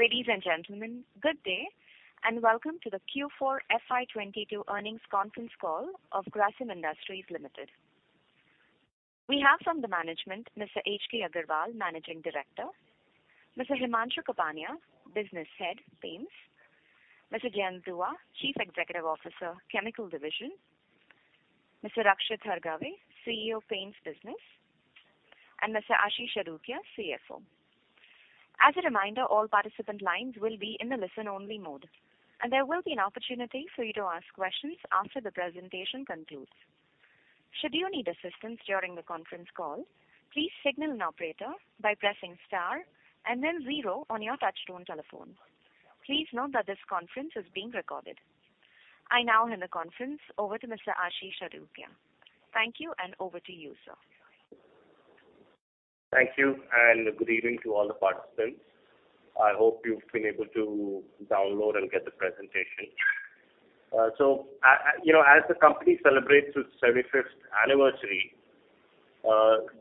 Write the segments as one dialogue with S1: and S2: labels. S1: Ladies and gentlemen, good day, and welcome to the Q4 FY 2022 earnings conference call of Grasim Industries Limited. We have from the management, Mr. H.K. Agarwal, Managing Director, Mr. Himanshu Kapania, Business Head, Paints, Mr. Jayant Dua, Chief Executive Officer, Chemical Division, Mr. Rakshit Hargave, CEO, Paints Business, and Mr. Ashish Adukia, CFO. As a reminder, all participant lines will be in a listen-only mode, and there will be an opportunity for you to ask questions after the presentation concludes. Should you need assistance during the conference call, please signal an operator by pressing star and then zero on your touchtone telephone. Please note that this conference is being recorded. I now hand the conference over to Mr. Ashish Adukia. Thank you, and over to you, sir.
S2: Thank you, and good evening to all the participants. I hope you've been able to download and get the presentation. You know, as the company celebrates its 75th anniversary,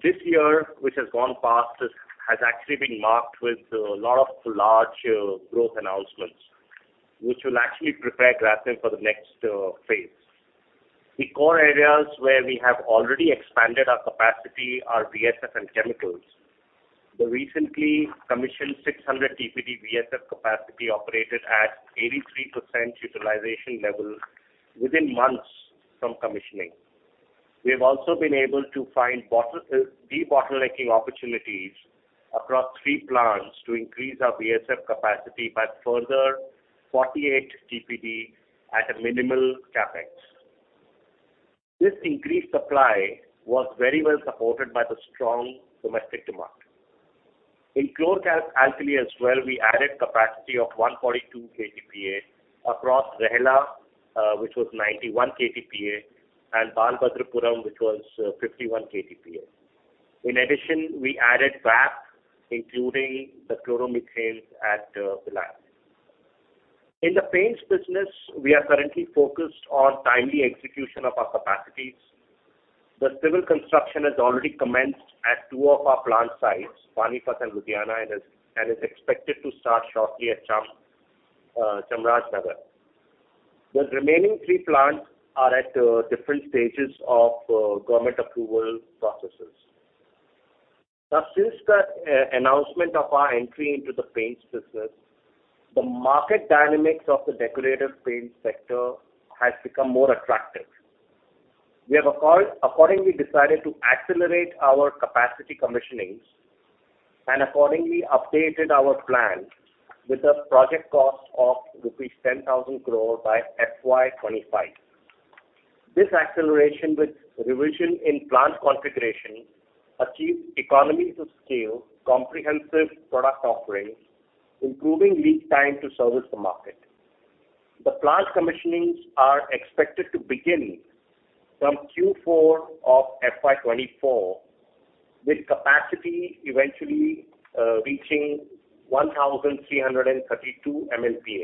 S2: this year, which has gone past, has actually been marked with a lot of large growth announcements, which will actually prepare Grasim for the next phase. The core areas where we have already expanded our capacity are VSF and chemicals. The recently commissioned 600 TPD VSF capacity operated at 83% utilization level within months from commissioning. We have also been able to find de-bottlenecking opportunities across three plants to increase our VSF capacity by further 48 TPD at a minimal CapEx. This increased supply was very well supported by the strong domestic demand. In chlor-alkali as well, we added capacity of 142 KTPA across Rehla, which was 91 KTPA, and Balabhadrapuram, which was 51 KTPA. In addition, we added VAP, including the chloromethane at Vilayat. In the paints business, we are currently focused on timely execution of our capacities. The civil construction has already commenced at two of our plant sites, Panipat and Ludhiana, and is expected to start shortly at Chamarajanagar. The remaining three plants are at different stages of government approval processes. Now, since the announcement of our entry into the paints business, the market dynamics of the decorative paints sector has become more attractive. We have accordingly decided to accelerate our capacity commissionings and accordingly updated our plan with a project cost of rupees 10,000 crore by FY 2025. This acceleration with revision in plant configuration achieves economies of scale, comprehensive product offerings, improving lead time to service the market. The plant commissionings are expected to begin from Q4 of FY 2024, with capacity eventually reaching 1,332 MLPA.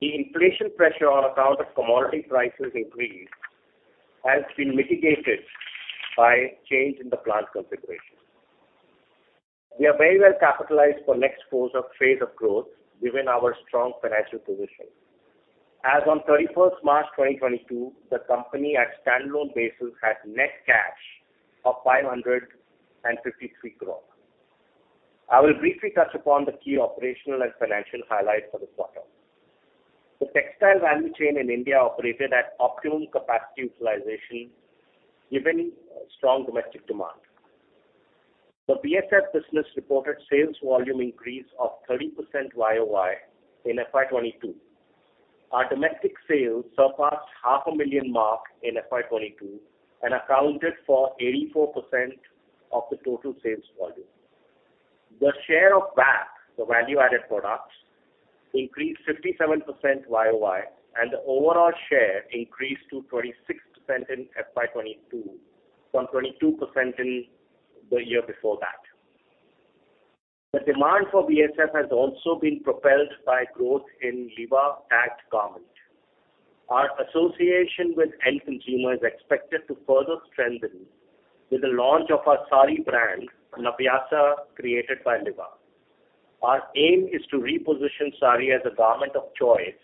S2: The inflation pressure on account of commodity prices increase has been mitigated by change in the plant configuration. We are very well capitalized for next phase of growth given our strong financial position. As on March 31st, 2022, the company at standalone basis had net cash of 553 crore. I will briefly touch upon the key operational and financial highlights for the quarter. The textile value chain in India operated at optimum capacity utilization given strong domestic demand. The VSF business reported sales volume increase of 30% YOY in FY 2022. Our domestic sales surpassed 500,000 mark in FY 2022 and accounted for 84% of the total sales volume. The share of VAP, the value-added products, increased 57% YOY, and the overall share increased to 26% in FY 2022 from 22% in the year before that. The demand for VSF has also been propelled by growth in Liva in garments. Our association with end consumer is expected to further strengthen with the launch of our sari brand, Navyasa, created by Liva. Our aim is to reposition sari as a garment of choice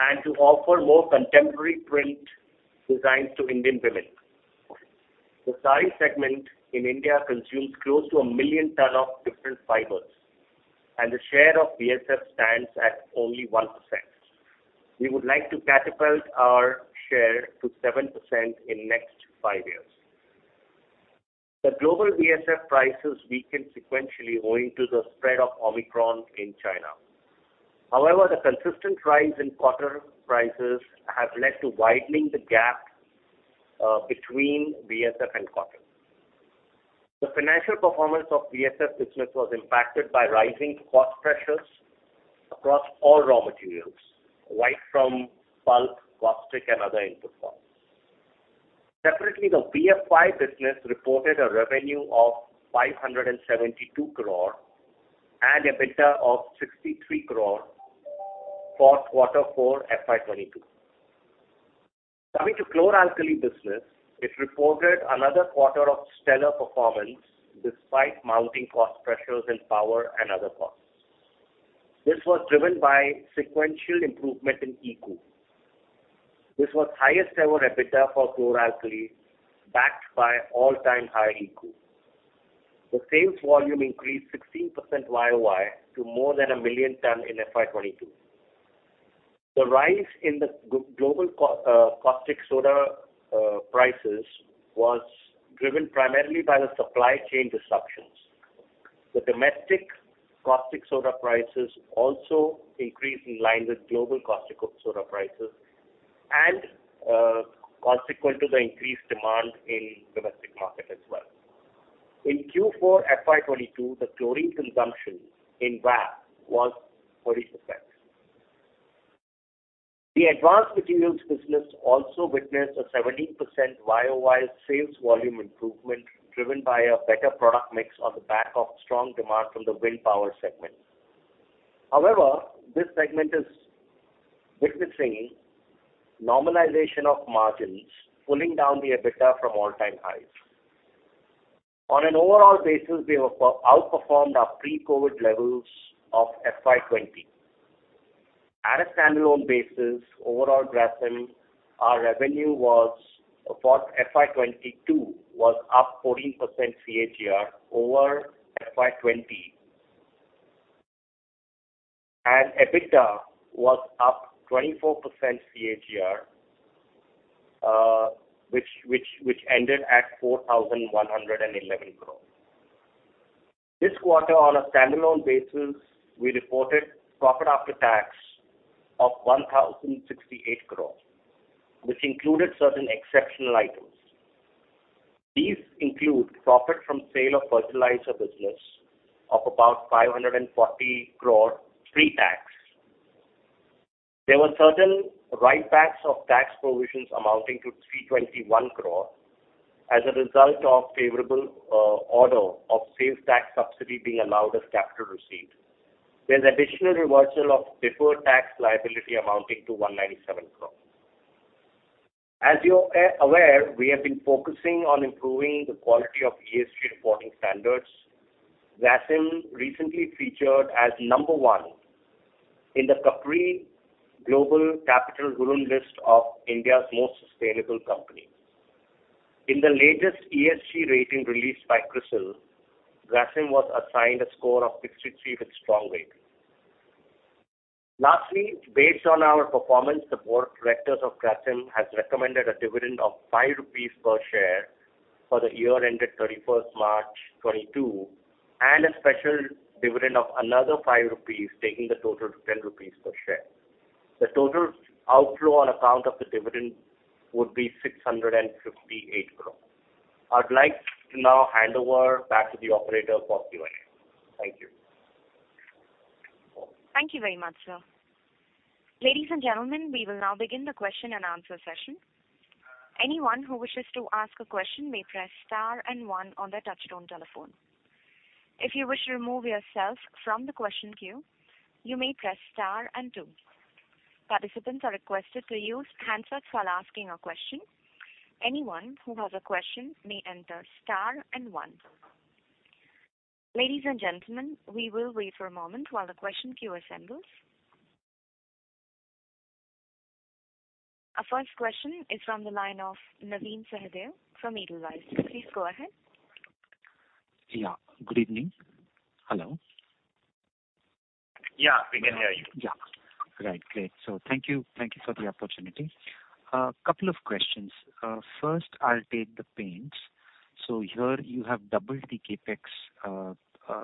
S2: and to offer more contemporary print designs to Indian women. The sari segment in India consumes close to 1 million ton of different fibers, and the share of VSF stands at only 1%. We would like to catapult our share to 7% in next five years. The global VSF prices weakened sequentially owing to the spread of Omicron in China. However, the consistent rise in cotton prices have led to widening the gap between VSF and cotton. The financial performance of VSF business was impacted by rising cost pressures across all raw materials, right from pulp, caustic, and other input forms. Separately, the B&F business reported a revenue of 572 crore and EBITDA of 63 crore for quarter four, FY 2022. Coming to chlor-alkali business, it reported another quarter of stellar performance despite mounting cost pressures in power and other costs. This was driven by sequential improvement in ECU. This was highest ever EBITDA for chlor-alkali, backed by all-time high ECU. The sales volume increased 16% YOY to more than 1 million ton in FY 2022. The rise in the global caustic soda prices was driven primarily by the supply chain disruptions. The domestic caustic soda prices also increased in line with global caustic soda prices and, consequent to the increased demand in domestic market as well. In Q4 FY 2022, the chlorine consumption in VAP was 40%. The advanced materials business also witnessed a 17% YOY sales volume improvement, driven by a better product mix on the back of strong demand from the wind power segment. However, this segment is witnessing normalization of margins, pulling down the EBITDA from all-time highs. On an overall basis, we have outperformed our pre-COVID levels of FY 2020. At a standalone basis, overall Grasim, our revenue for FY 2022 was up 14% CAGR over FY 2020. EBITDA was up 24% CAGR, which ended at 4,111 crore. This quarter, on a standalone basis, we reported profit after tax of 1,068 crore, which included certain exceptional items. These include profit from sale of fertilizer business of about 540 crore pre-tax. There were certain write-backs of tax provisions amounting to 321 crore as a result of favorable order of sales tax subsidy being allowed as capital received. There's additional reversal of deferred tax liability amounting to 197 crore. As you're aware, we have been focusing on improving the quality of ESG reporting standards. Grasim recently featured as number one in the Capri Global Capital Hurun list of India's most sustainable company. In the latest ESG rating released by CRISIL, Grasim was assigned a score of 63 with strong rating. Lastly, based on our performance, the board of directors of Grasim has recommended a dividend of 5 rupees per share for the year ended March 31st, 2022, and a special dividend of another 5 rupees, taking the total to 10 rupees per share. The total outflow on account of the dividend would be 658 crore. I'd like to now hand over back to the operator for Q&A. Thank you.
S1: Thank you very much, sir. Ladies and gentlemen, we will now begin the question-and-answer session. Anyone who wishes to ask a question may press star and one on their touchtone telephone. If you wish to remove yourself from the question queue, you may press star and two. Participants are requested to use handsets while asking a question. Anyone who has a question may enter star and one. Ladies and gentlemen, we will wait for a moment while the question queue assembles. Our first question is from the line of Navin Sahadeo from Edelweiss. Please go ahead.
S3: Yeah. Good evening. Hello.
S2: Yeah, we can hear you.
S3: Yeah. Right. Great. Thank you for the opportunity. Couple of questions. First I'll take the paints. Here you have doubled the CapEx,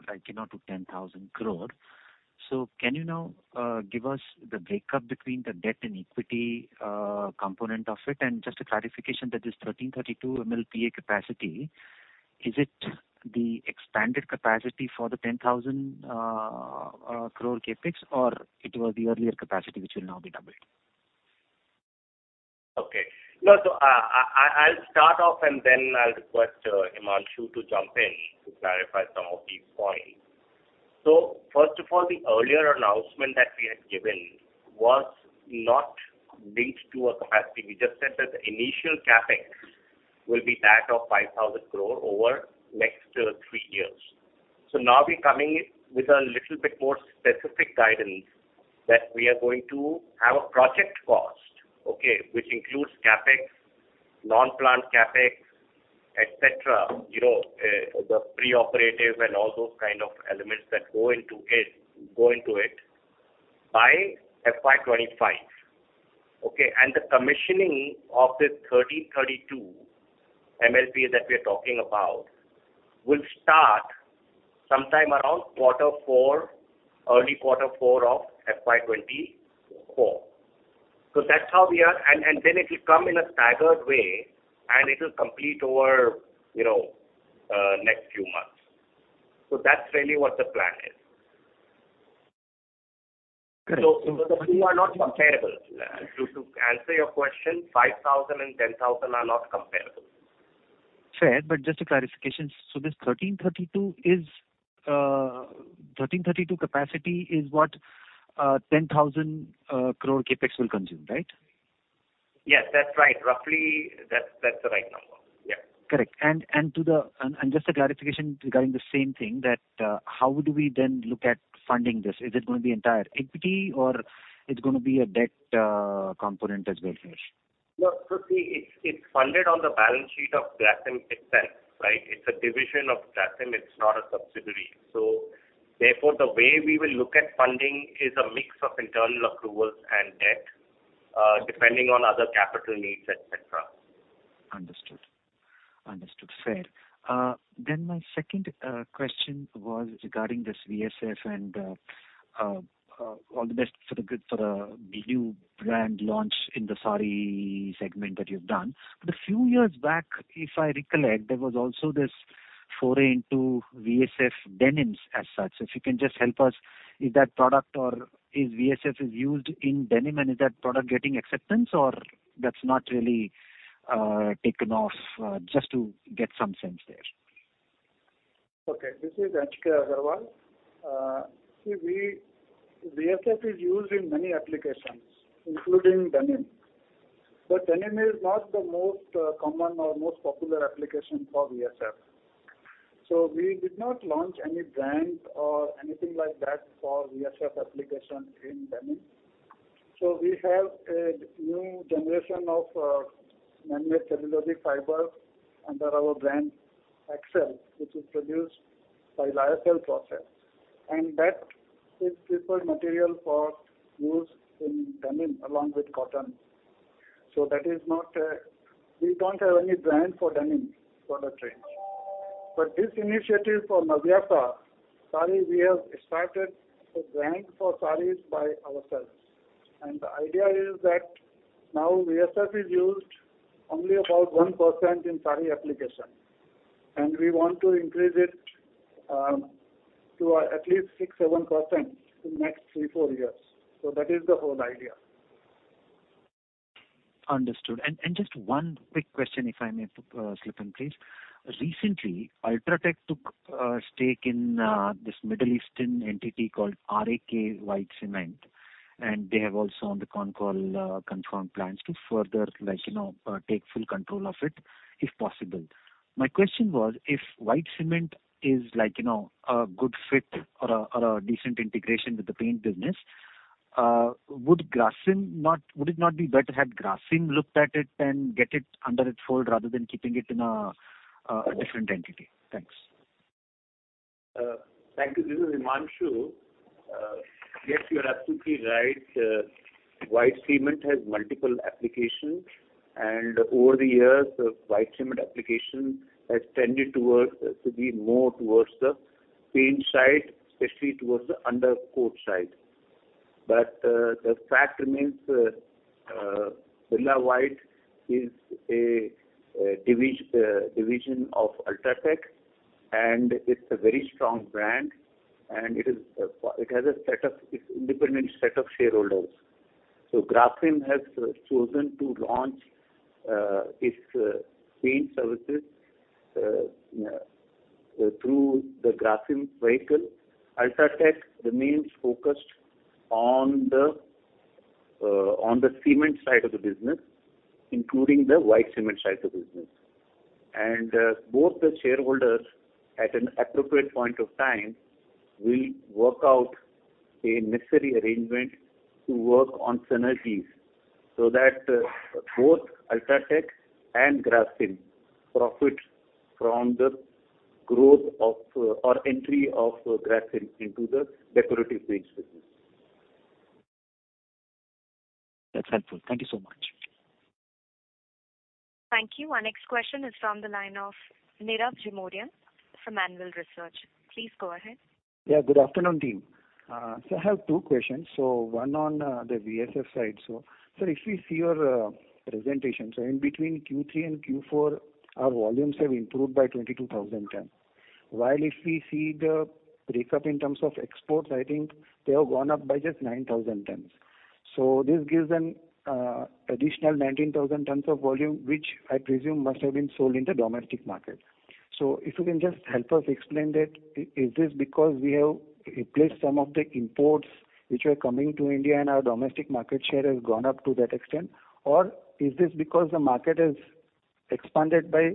S3: like, you know, to 10,000 crore. Can you now give us the breakup between the debt and equity component of it? Just a clarification that this 1,332 MLPA capacity, is it the expanded capacity for the 10,000 crore CapEx, or it was the earlier capacity which will now be doubled?
S2: I'll start off, and then I'll request Himanshu to jump in to clarify some of these points. First of all, the earlier announcement that we had given was not linked to a capacity. We just said that the initial CapEx will be that of 5,000 crore over next three years. Now we're coming with a little bit more specific guidance that we are going to have a project cost, okay, which includes CapEx, non-plant CapEx, etc., you know, the pre-operative and all those kind of elements that go into it, by FY 2025. Okay? The commissioning of this 1,332 MLPA that we're talking about will start sometime around quarter four, early quarter four of FY 2024. That's how we are. It will come in a staggered way, and it will complete over, you know, next few months. That's really what the plan is.
S3: Great.
S2: The two are not comparable. To answer your question, 5,000 and 10,000 are not comparable.
S3: Fair. Just a clarification. This 1,332 capacity is what, 10,000 crore CapEx will consume, right?
S2: Yes, that's right. Roughly, that's the right number. Yeah.
S3: Correct. Just a clarification regarding the same thing that how do we then look at funding this? Is it going to be entire equity or it's going to be a debt component as well here?
S2: No. See it's funded on the balance sheet of Grasim itself, right? It's a division of Grasim. It's not a subsidiary. Therefore, the way we will look at funding is a mix of internal accruals and debt, depending on other capital needs, etc.
S3: Understood. Fair. My second question was regarding this VSF and all the best for the new brand launch in the sari segment that you've done. A few years back, if I recollect, there was also this foray into VSF denims as such. If you can just help us, is that product or is VSF is used in denim and is that product getting acceptance or that's not really taken off? Just to get some sense there.
S4: Okay, this is H.K. Agarwal. See, VSF is used in many applications, including denim. Denim is not the most common or most popular application for VSF. We did not launch any brand or anything like that for VSF application in denim. We have a new generation of man-made cellulosic fiber under our brand Birla Excel, which is produced by Lyocell process, and that is preferred material for use in denim along with cotton. That is not. We don't have any brand for denim product range. This initiative for Navyasa sari, we have started a brand for saris by ourselves. The idea is that now VSF is used only about 1% in sari application, and we want to increase it to at least 6%, 7% in next three, four years. That is the whole idea.
S3: Understood. Just one quick question, if I may, slip in please. Recently, UltraTech took a stake in this Middle Eastern entity called RAK White Cement, and they have also on the con call confirmed plans to further like, you know, take full control of it if possible. My question was if white cement is like, you know, a good fit or a decent integration with the paint business, would it not be better had Grasim looked at it and get it under its fold rather than keeping it in a different entity? Thanks.
S5: Thank you. This is Himanshu. Yes, you are absolutely right. White cement has multiple applications. Over the years the white cement application has tended towards to be more towards the paint side, especially towards the undercoat side. The fact remains, Birla White is a division of UltraTech, and it's a very strong brand, and it has its independent set of shareholders. Grasim has chosen to launch its paint services through the Grasim vehicle. UltraTech remains focused on the cement side of the business, including the white cement side of the business. Both the shareholders at an appropriate point of time will work out a necessary arrangement to work on synergies so that both UltraTech and Grasim profit from the growth of or entry of Grasim into the decorative paints business.
S3: That's helpful. Thank you so much.
S1: Thank you. Our next question is from the line of Niraj Jimudia from Anvil Research. Please go ahead.
S6: Yeah, good afternoon team. I have two questions. One on the VSF side. If we see your presentation, in between Q3 and Q4, our volumes have improved by 22,000 tons. While if we see the breakup in terms of exports, I think they have gone up by just 9,000 tons. This gives an additional 19,000 tons of volume, which I presume must have been sold in the domestic market. If you can just help us explain that. Is this because we have replaced some of the imports which were coming to India and our domestic market share has gone up to that extent or is this because the market has expanded by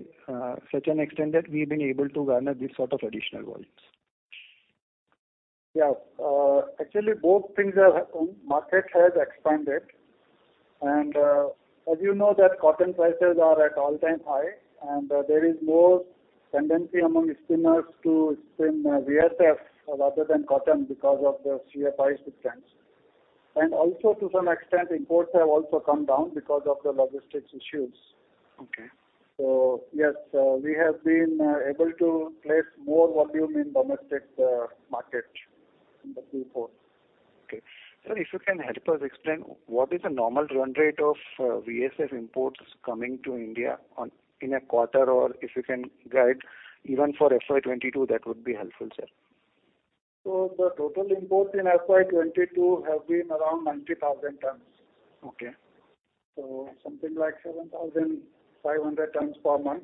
S6: such an extent that we've been able to garner these sort of additional volumes?
S4: Yeah. Actually both things are. Market has expanded. As you know that cotton prices are at all-time high and there is more tendency among spinners to spin VSF rather than cotton because of the CSF substance. Also to some extent imports have also come down because of the logistics issues. Yes, we have been able to place more volume in domestic market in the Q4.
S6: If you can help us explain what is the normal run rate of VSF imports coming to India in a quarter or if you can guide even for FY 2022, that would be helpful, sir.
S4: The total import in FY 2022 have been around 90,000 tons. Something like 7,500 tons per month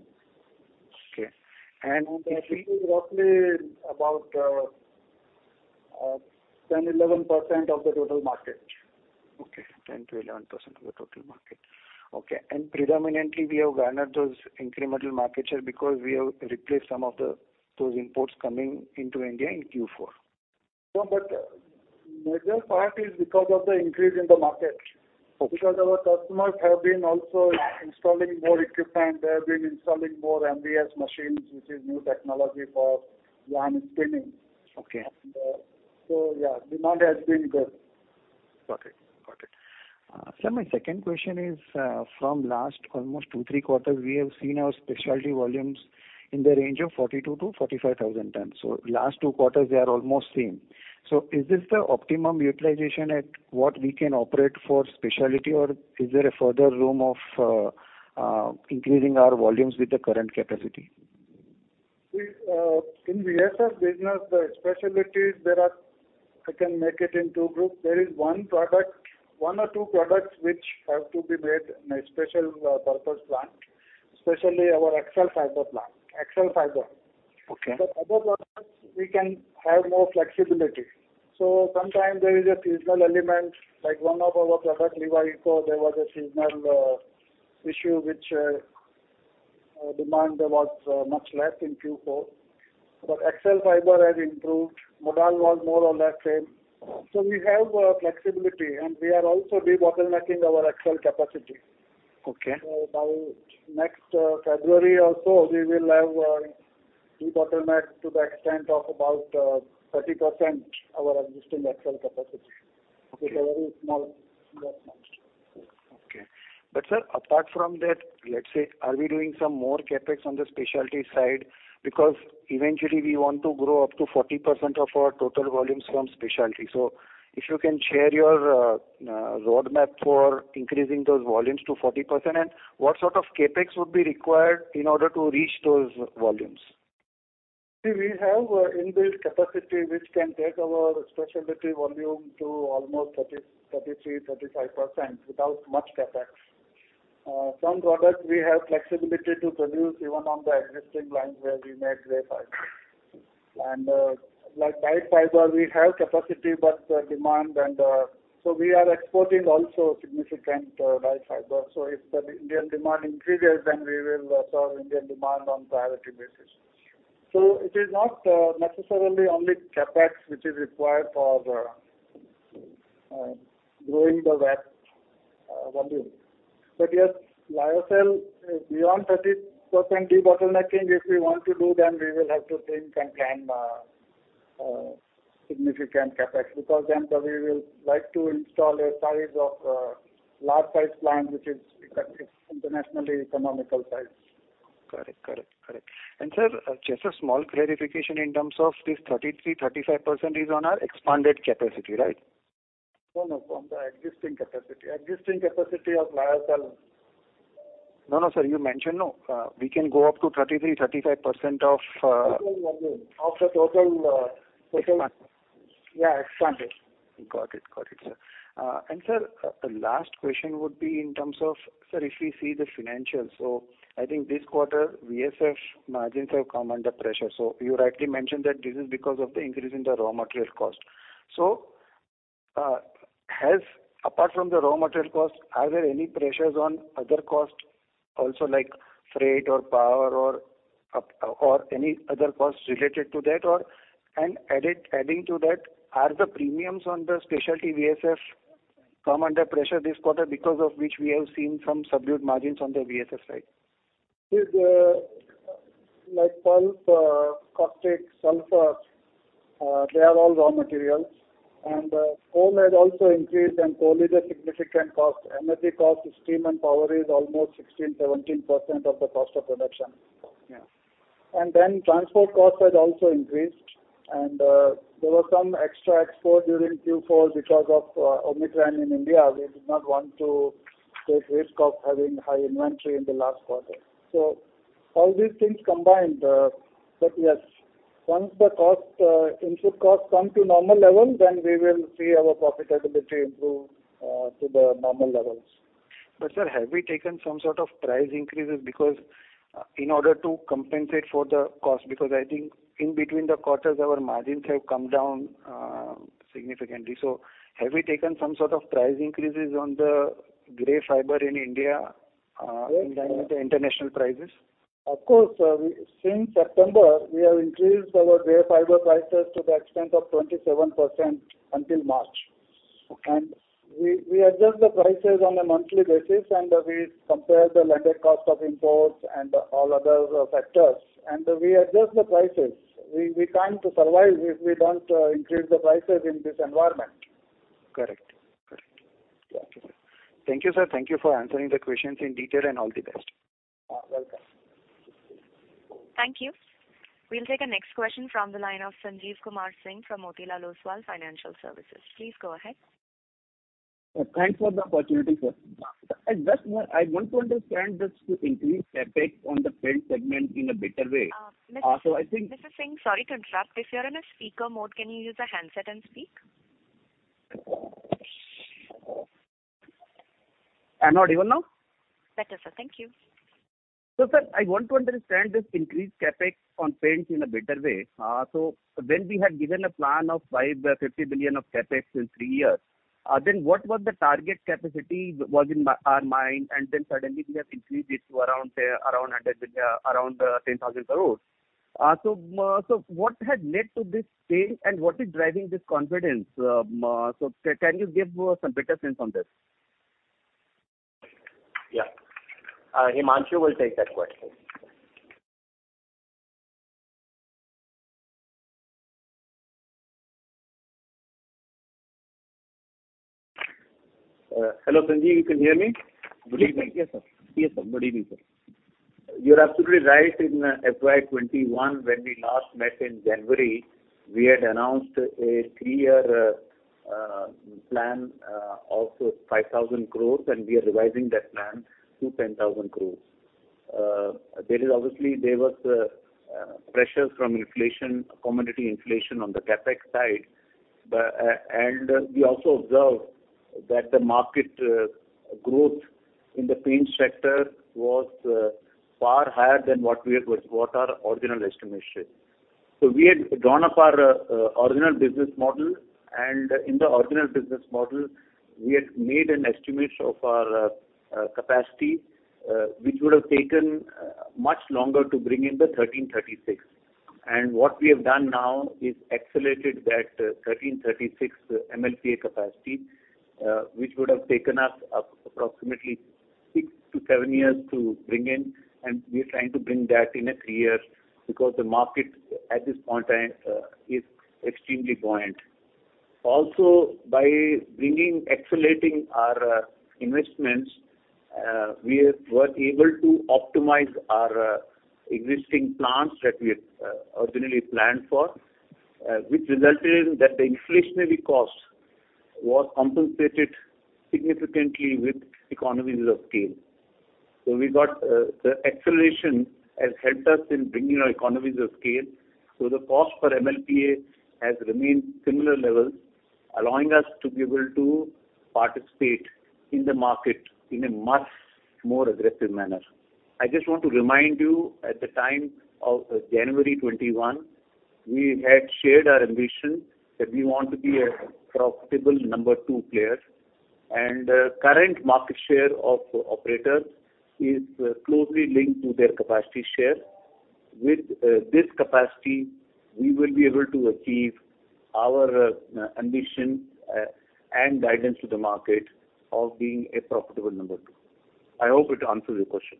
S4: which is roughly about 10%-11% of the total market.
S6: Okay. 10%-11% of the total market. Okay. Predominantly we have garnered those incremental market share because we have replaced those imports coming into India in Q4.
S4: No, major part is because of the increase in the market because our customers have been also installing more equipment. They have been installing more MVS machines, which is new technology for yarn spinning. Yeah, demand has been good.
S6: Got it. Sir, my second question is, from last almost two, three quarters, we have seen our specialty volumes in the range of 42,000-45,000 tons. Last two quarters they are almost same. Is this the optimum utilization at what we can operate for specialty or is there a further room of increasing our volumes with the current capacity?
S4: In VSF business, the specialties there are, I can make it in two groups. There is one or two products which have to be made in a special purpose plant, especially our Birla Excel plant. Other products we can have more flexibility. Sometimes there is a seasonal element, like one of our product, Revay 4, there was a seasonal issue which demand was much less in Q4. Excel fiber has improved. Modal was more or less same. We have flexibility and we are also debottlenecking our Excel capacity. By next February also we will have debottlenecked to the extent of about 30% our existing Excel capacity. It's a very small.
S6: Okay. Sir, apart from that, let's say are we doing some more CapEx on the specialty side because eventually we want to grow up to 40% of our total volumes from specialty. If you can share your roadmap for increasing those volumes to 40%, and what sort of CapEx would be required in order to reach those volumes?
S4: We have inbuilt capacity which can take our specialty volume to almost 33%, 35% without much CapEx. Some products we have flexibility to produce even on the existing lines where we make gray fiber. Like white fiber we have capacity, but demand. We are exporting also significant white fiber. If the Indian demand increases then we will serve Indian demand on priority basis. It is not necessarily only CapEx which is required for growing the wet volume. Yes, Lyocell, beyond 30% debottlenecking, if we want to do, then we will have to think and plan significant CapEx, because then we will like to install a size of large size plant which is internationally economical size.
S6: Correct. Sir, just a small clarification in terms of this 33%, 35% is on our expanded capacity, right?
S4: No, no. From the existing capacity. Existing capacity of Lyocell.
S6: No, sir, you mentioned, no, we can go up to 33%, 35% of the total expand.
S4: Yeah, expanded.
S6: Got it, sir. Sir, the last question would be in terms of, sir, if we see the financials. I think this quarter VSF margins have come under pressure. You rightly mentioned that this is because of the increase in the raw material cost. Has, apart from the raw material cost, are there any pressures on other costs also like freight or power or up, or any other costs related to that? Or, and adding to that, are the premiums on the specialty VSF come under pressure this quarter because of which we have seen some subdued margins on the VSF side?
S4: With like pulp, caustic, sulfur, they are all raw materials. Coal has also increased, and coal is a significant cost. Energy cost, steam and power is almost 16%-17% of the cost of production. Transport cost has also increased. There was some extra export during Q4 because of Omicron in India. We did not want to take risk of having high inventory in the last quarter. All these things combined, but yes, once the cost, input costs come to normal level, then we will see our profitability improve to the normal levels.
S6: Sir, have we taken some sort of price increases because in order to compensate for the cost? I think in between the quarters our margins have come down significantly. Have we taken some sort of price increases on the VSF in India in line with the international prices?
S4: Of course. Since September, we have increased our gray fiber prices to the extent of 27% until March. We adjust the prices on a monthly basis, and we compare the landed cost of imports and all other factors. We adjust the prices. We can't survive if we don't increase the prices in this environment.
S6: Correct. Got you. Thank you, sir. Thank you for answering the questions in detail and all the best.
S4: Welcome.
S1: Thank you. We'll take our next question from the line of Sanjeev Kumar Singh from Motilal Oswal Financial Services. Please go ahead.
S7: Thanks for the opportunity, sir. Just one. I want to understand this increased CapEx on the paint segment in a better way.
S1: Mr. Singh, sorry to interrupt. If you're in a speaker mode, can you use a handset and speak?
S7: I'm audible now?
S1: Better, sir. Thank you.
S7: Sir, I want to understand this increased CapEx on paints in a better way. When we had given a plan of 50 billion of CapEx in three years, what was the target capacity that was in our mind, and then suddenly we have increased it to around 10,000 crores. What had led to this change, and what is driving this confidence? Can you give some better sense on this?
S2: Yeah. Himanshu will take that question.
S5: Hello, Sanjeev. You can hear me? Good evening.
S7: Yes, sir. Yes, sir. Good evening, sir.
S5: You're absolutely right. In FY 2021, when we last met in January, we had announced a three-year plan of 5,000 crore, and we are revising that plan to 10,000 crore. There was obviously pressure from inflation, commodity inflation on the CapEx side. We also observed that the market growth in the paint sector was far higher than what our original estimation. We had drawn up our original business model, and in the original business model, we had made an estimate of our capacity, which would have taken much longer to bring in the 1,336.
S2: What we have done now is accelerated that 1,336 MLPA capacity, which would have taken us up approximately six to seven years to bring in, and we are trying to bring that in three years because the market at this point in is extremely buoyant. Also, by accelerating our investments, we were able to optimize our existing plants that we had originally planned for, which resulted in that the inflationary cost was compensated significantly with economies of scale. The acceleration has helped us in bringing our economies of scale, so the cost per MLPA has remained similar levels, allowing us to be able to participate in the market in a much more aggressive manner. I just want to remind you, at the time of January 2021, we had shared our ambition that we want to be a profitable number two player. Current market share of operators is closely linked to their capacity share. With this capacity, we will be able to achieve our ambition and guidance to the market of being a profitable number two. I hope it answers your question.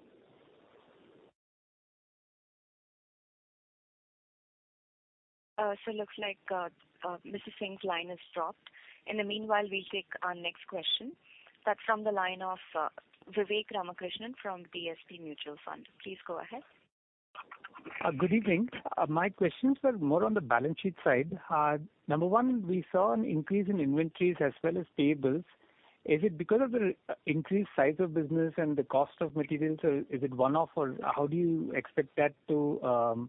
S1: Looks like Mr. Singh's line has dropped. In the meanwhile, we'll take our next question. That's from the line of Vivek Ramakrishnan from DSP Mutual Fund. Please go ahead.
S8: Good evening. My questions are more on the balance sheet side. Number one, we saw an increase in inventories as well as payables. Is it because of the increased size of business and the cost of materials, or is it one-off? How do you expect that to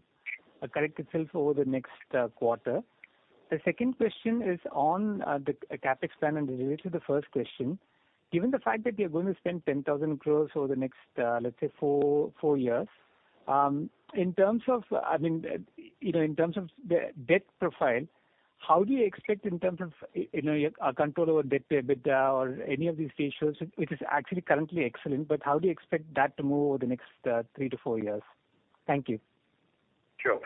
S8: correct itself over the next quarter? The second question is on the CapEx plan and is related to the first question. Given the fact that you're going to spend 10,000 crore over the next, let's say four years, in terms of debt profile, how do you expect in terms of, you know, your control over debt to EBITDA or any of these ratios, which is actually currently excellent, but how do you expect that to move over the next, three to four years? Thank you.
S2: Sure.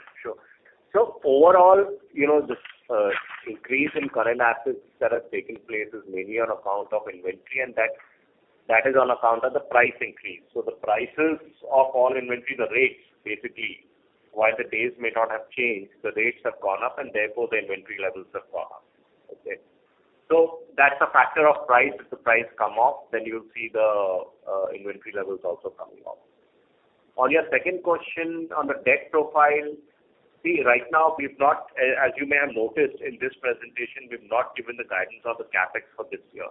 S2: Overall, you know, this increase in current assets that has taken place is mainly on account of inventory, and that is on account of the price increase. The prices of all inventory, the rates basically, while the days may not have changed, the rates have gone up, and therefore the inventory levels have gone up. That's a factor of price. If the price come off, then you'll see the inventory levels also coming off. On your second question on the debt profile, see, right now we've not, as you may have noticed in this presentation, we've not given the guidance on the CapEx for this year,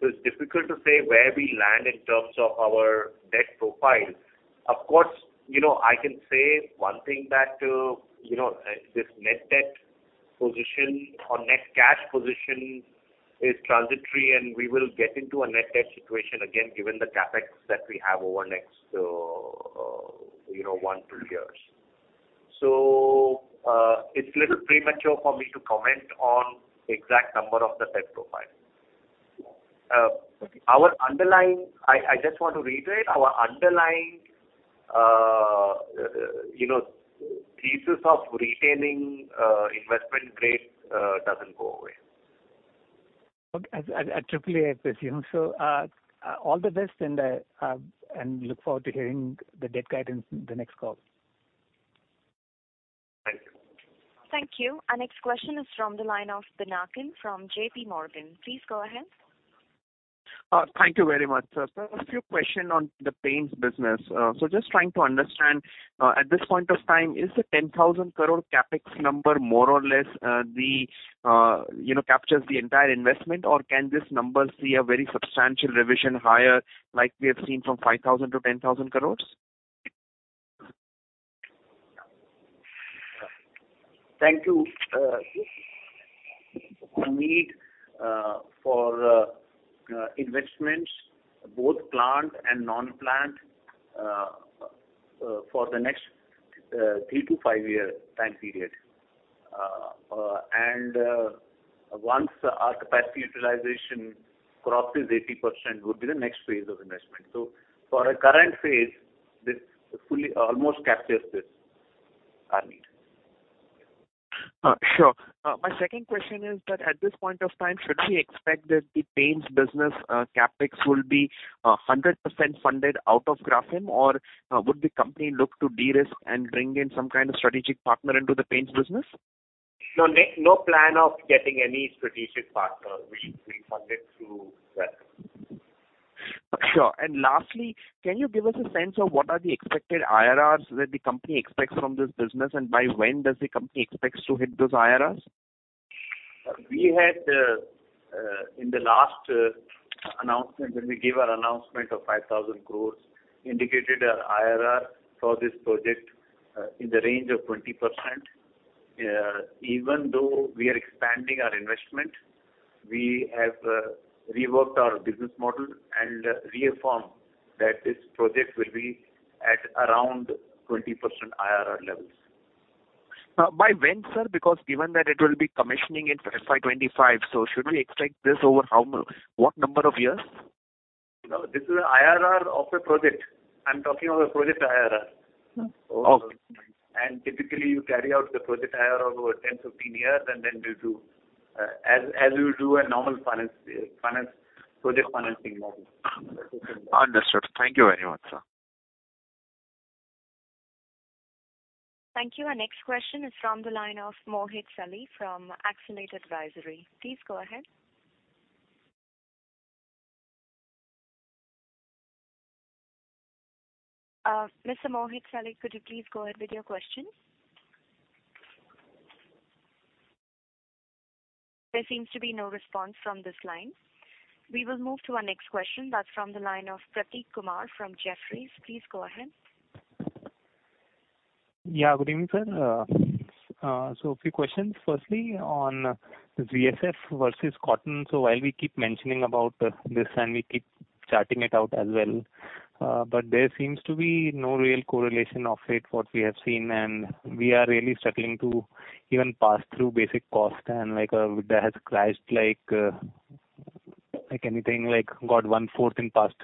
S2: so it's difficult to say where we land in terms of our debt profile. Of course, you know, I can say one thing that, you know, this net debt position or net cash position is transitory, and we will get into a net debt situation again, given the CapEx that we have over next, you know, one, two years. It's a little premature for me to comment on exact number of the debt profile. I just want to reiterate, our underlying, you know, thesis of retaining investment grade doesn't go away.
S8: Okay. At AAA, I presume. All the best and look forward to hearing the debt guidance in the next call.
S2: Thank you.
S1: Thank you. Our next question is from the line of Pinakin from JPMorgan. Please go ahead.
S9: Thank you very much, sir. Sir, a few question on the paints business. So just trying to understand, at this point of time, is the 10,000 crore CapEx number more or less, the you know captures the entire investment, or can this number see a very substantial revision higher like we have seen from 5,000 crores-10,000 crores?
S4: Thank you. We need for investments both plant and non-plant for the next three to five year time period. Once our capacity utilization crosses 80% would be the next phase of investment. For a current phase, this fully almost captures our need.
S9: Sure. My second question is that at this point of time, should we expect that the paints business CapEx will be 100% funded out of Grasim or would the company look to de-risk and bring in some kind of strategic partner into the paints business?
S4: No, no plan of getting any strategic partner. We fund it through that.
S9: Sure. Lastly, can you give us a sense of what are the expected IRRs that the company expects from this business, and by when does the company expects to hit those IRRs?
S4: We had, in the last announcement, when we gave our announcement of 5,000 crore, indicated our IRR for this project, in the range of 20%. Even though we are expanding our investment, we have reworked our business model and reaffirmed that this project will be at around 20% IRR levels.
S9: By when, sir? Because given that it will be commissioning in FY 2025, should we expect this over what number of years?
S4: No, this is IRR of a project. I'm talking of a project IRR. Typically, you carry out the project IRR over 10-15 years, and then you do as you do a normal finance project financing model.
S9: Understood. Thank you very much, sir.
S1: Thank you. Our next question is from the line of [Mohit Salee from Axonate Advisory]. Please go ahead. [Mr. Mohit Salee], could you please go ahead with your question? There seems to be no response from this line. We will move to our next question. That's from the line of Prateek Kumar from Jefferies. Please go ahead.
S10: Yeah. Good evening, sir. A few questions. Firstly, on VSF versus cotton. While we keep mentioning about this and we keep charting it out as well, but there seems to be no real correlation of it, what we have seen, and we are really struggling to even pass through basic cost. Like, that has crashed like anything, like got 140 in past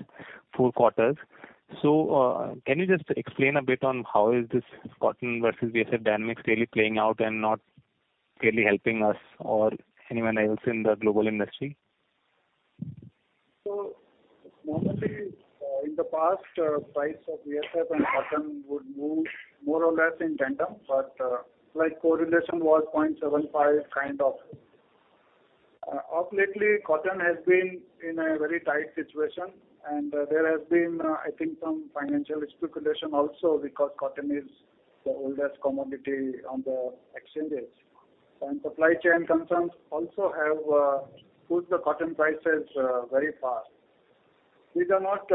S10: four quarters. Can you just explain a bit on how is this cotton versus VSF dynamics really playing out and not really helping us or anyone else in the global industry?
S4: Normally, in the past, price of VSF and cotton would move more or less in tandem, but like correlation was 0.75, kind of. Lately, cotton has been in a very tight situation, and there has been I think some financial speculation also because cotton is the oldest commodity on the exchanges. Supply chain concerns also have pushed the cotton prices very far. These are not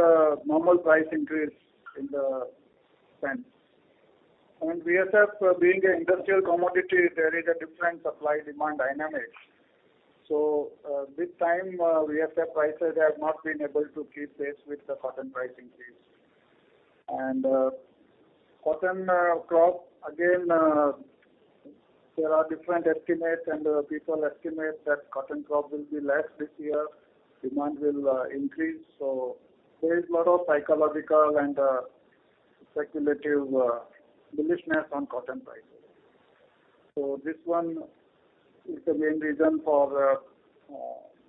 S4: normal price increases in the sense. VSF being an industrial commodity, there is a different supply-demand dynamic. This time, VSF prices have not been able to keep pace with the cotton price increase. Cotton crop again, there are different estimates, and people estimate that cotton crop will be less this year. Demand will increase. There is lot of psychological and speculative bullishness on cotton prices. This one is the main reason for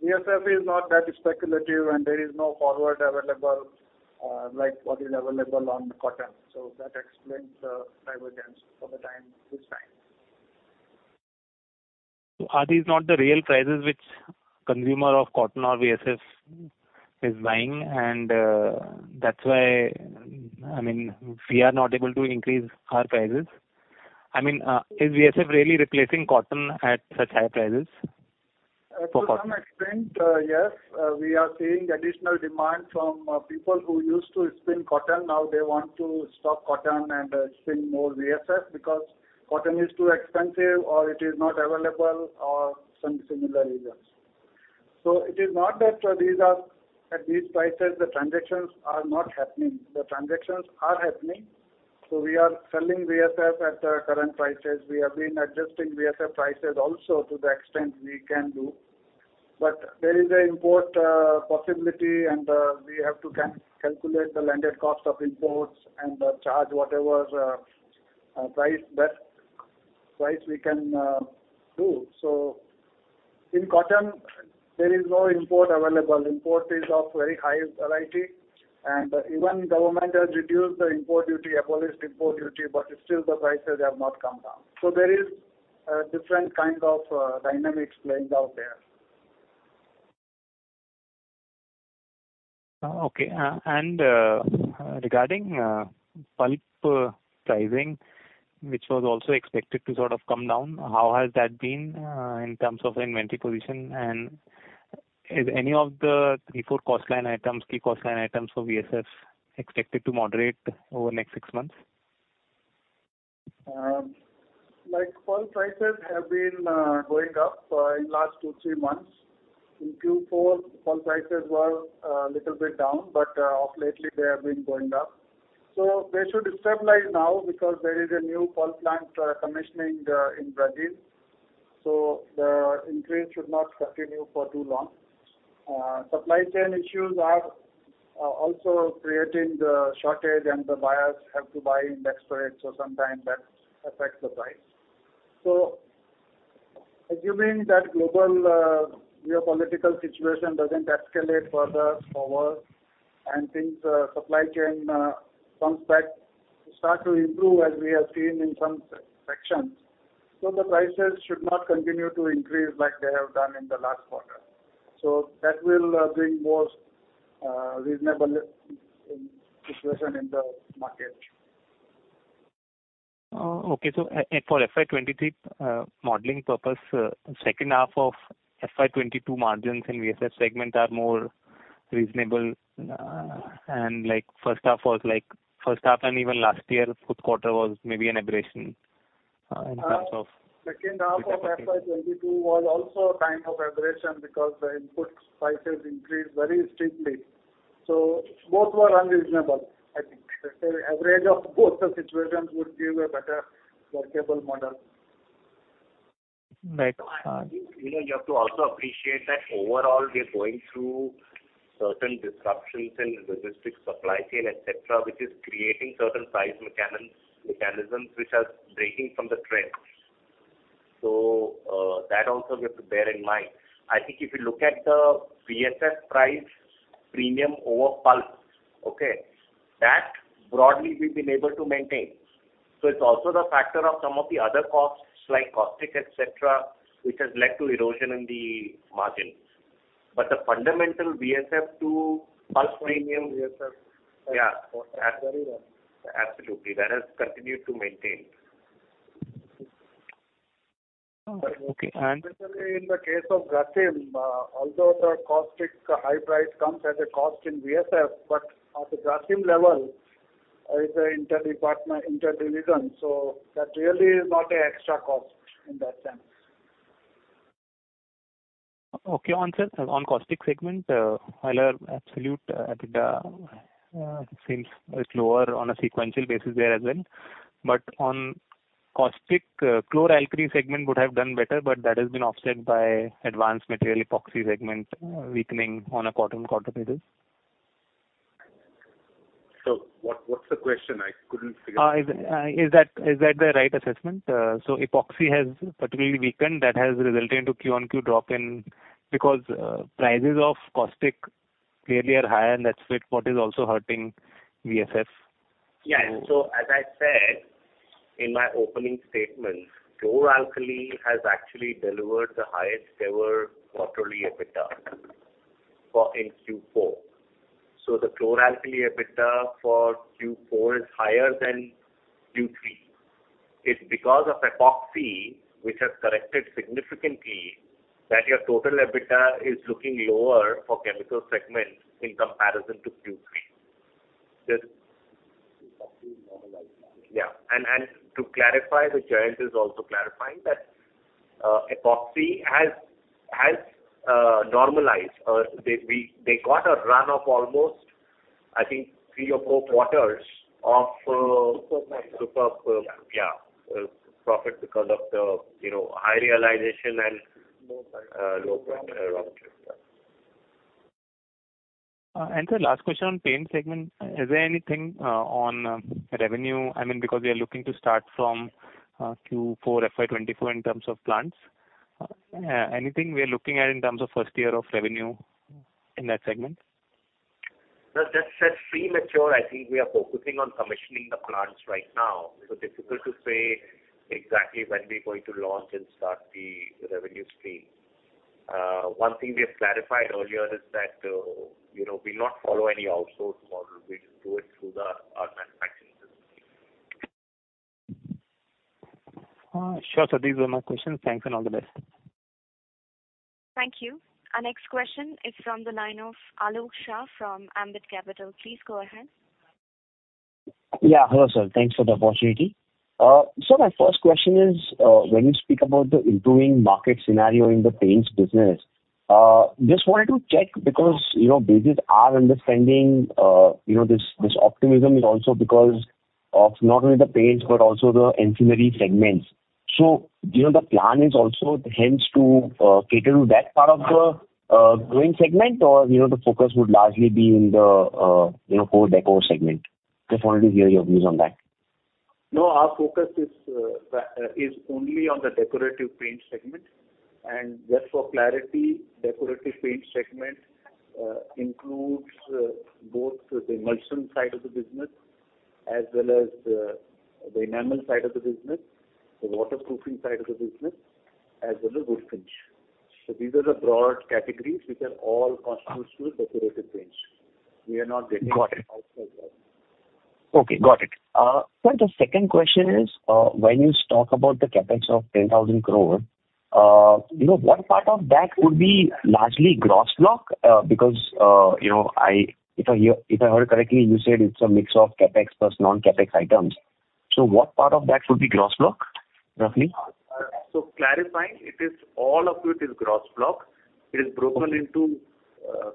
S4: VSF is not that speculative, and there is no forward available, like what is available on cotton. That explains the divergence for the time, this time.
S10: Are these not the real prices which consumer of cotton or VSF is buying, and, that's why, I mean, we are not able to increase our prices? I mean, is VSF really replacing cotton at such high prices? For cotton.
S4: To some extent, yes. We are seeing additional demand from people who used to spin cotton. Now they want to stop cotton and spin more VSF because cotton is too expensive or it is not available or some similar reasons. It is not that at these prices the transactions are not happening. The transactions are happening. We are selling VSF at the current prices. We have been adjusting VSF prices also to the extent we can do. But there is an import possibility, and we have to calculate the landed cost of imports and charge whatever price we can do. In cotton, there is no import available. Import is of very high variety. Even government has reduced the import duty, abolished import duty, but still the prices have not come down. There is different kind of dynamics playing out there.
S10: Okay. Regarding pulp pricing, which was also expected to sort of come down, how has that been in terms of inventory position? Is any of the three, four cost line items, key cost line items for VSF expected to moderate over the next six months?
S4: Like, pulp prices have been going up in last two, three months. In Q4, pulp prices were little bit down, but of late they have been going up. They should stabilize now because there is a new pulp plant commissioning in Brazil. The increase should not continue for too long. Supply chain issues are also creating the shortage, and the buyers have to buy in desperation, so sometimes that affects the price. Assuming that global geopolitical situation doesn't escalate any further and supply chain comes back, starts to improve as we have seen in some sections, so the prices should not continue to increase like they have done in the last quarter. That will bring more reasonable situation in the market.
S10: For FY 2023, modeling purpose, second half of FY 2022 margins in VSF segment are more reasonable. Like first half was like and even last year fourth quarter was maybe an aberration in terms of.
S4: Second half of FY 2022 was also a time of aberration because the input prices increased very steeply. Both were unreasonable, I think. The average of both the situations would give a better workable model.
S10: Right.
S2: You know, you have to also appreciate that overall we're going through certain disruptions in logistics, supply chain, et cetera, which is creating certain price mechanisms which are breaking from the trend. That also we have to bear in mind. I think if you look at the VSF price premium over pulp, okay, that broadly we've been able to maintain. It's also the factor of some of the other costs like caustic, et cetera, which has led to erosion in the margins. The fundamental VSF to pulp premium VSF, yeah, absolutely. That has continued to maintain.
S4: Especially in the case of Grasim, although the caustic high price comes at a cost in VSF, but at the Grasim level is interdepartmental, inter-division, so that really is not an extra cost in that sense.
S10: On caustic segment, while our absolute EBITDA seems a bit lower on a sequential basis there as well. On caustic chlor-alkali segment would have done better, but that has been offset by advanced material epoxy segment weakening on a quarter-over-quarter basis.
S2: What's the question? I couldn't figure.
S10: Is that the right assessment? Epoxy has particularly weakened. That has resulted into QoQ drop in because prices of caustic clearly are higher, and that's what is also hurting VSF.
S2: Yeah. As I said in my opening statement, chlor-alkali has actually delivered the highest ever quarterly EBITDA for in Q4. The chlor-alkali EBITDA for Q4 is higher than Q3. It's because of epoxy which has corrected significantly that your total EBITDA is looking lower for chemical segment in comparison to Q3. Yeah. To clarify, Jayant is also clarifying that epoxy has normalized. They got a run of almost, I think, 3 or 4 quarters of superb, yeah, profit because of the, you know, high realization and low raw material.
S10: The last question on paint segment. Is there anything on revenue? I mean, because we are looking to start from Q4 FY 2024 in terms of plants. Anything we are looking at in terms of first year of revenue in that segment?
S2: No, that's a premature. I think we are focusing on commissioning the plants right now. Difficult to say exactly when we're going to launch and start the revenue stream. One thing we have clarified earlier is that, you know, we do not follow any outsource model. We just do it through our manufacturing system.
S10: Sure, sir. These were my questions. Thanks and all the best.
S1: Thank you. Our next question is from the line of Alok Shah from Ambit Capital. Please go ahead.
S11: Yeah. Hello, sir. Thanks for the opportunity. My first question is, when you speak about the improving market scenario in the paints business, just wanted to check because, you know, basis our understanding, you know, this optimism is also because of not only the paints but also the ancillary segments. You know, the plan is also hence to cater to that part of the growing segment or, you know, the focus would largely be in the core decor segment. Just wanted to hear your views on that.
S4: No, our focus is only on the decorative paint segment. Just for clarity, decorative paint segment includes both the emulsion side of the business as well as the enamel side of the business, the waterproofing side of the business, as well as wood finish. These are the broad categories which are all constitutes to a decorative range. We are not getting.
S11: Got it. Okay, got it. Sir, the second question is, when you talk about the CapEx of 10,000 crore, you know, what part of that would be largely gross block? Because, you know, if I heard correctly, you said it's a mix of CapEx plus non-CapEx items. What part of that would be gross block, roughly?
S2: Clarifying, it is all of it is gross lock. It is broken into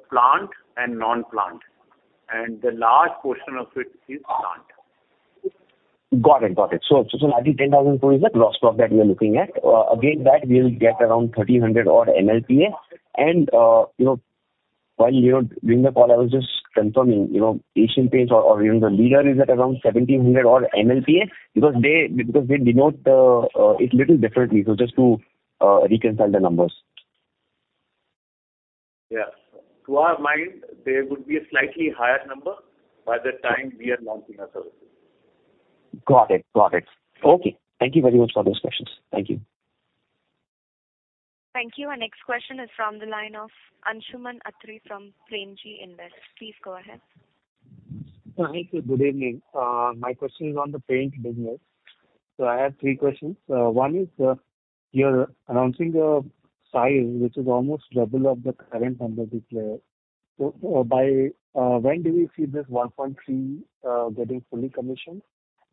S2: plant and non-plant, and the large portion of it is plant.
S11: Got it. Actually, 10,000 crore is the gross lock that we are looking at. Against that we will get around 1,300 odd MLPA. You know, while, you know, during the call I was just confirming, you know, Asian Paints or even the leader is at around 1,700 odd MLPA because they denote it a little differently. Just to reconcile the numbers.
S2: Yeah. To our mind, there would be a slightly higher number by the time we are launching our services.
S11: Got it. Okay. Thank you very much for those questions. Thank you.
S1: Thank you. Our next question is from the line of Anshuman Atri from Premji Invest. Please go ahead.
S12: Thank you. Good evening. My question is on the paints business. I have three questions. One is, you're announcing a size which is almost double of the current number of players. By when do you see this 1.3 getting fully commissioned?